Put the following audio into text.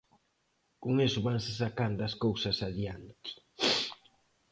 Con iso vanse sacando as cousas adiante.